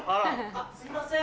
すいません。